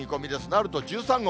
なると１３号。